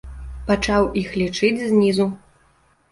Пачаў іх лічыць знізу.